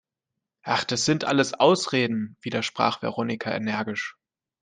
Ach, das sind alles Ausreden, widersprach Veronika energisch.